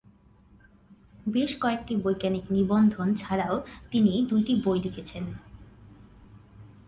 বেশ কয়েকটি বৈজ্ঞানিক নিবন্ধ ছাড়াও তিনি দুটি বই লিখেছেন।